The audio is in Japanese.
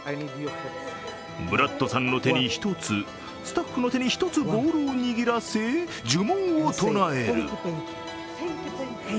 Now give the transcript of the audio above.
ブラッドさんの手に１つ、スタッフの手に１つボールを握らせ呪文を唱える。